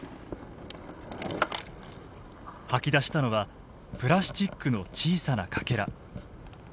吐き出したのはプラスチックの小さなかけら。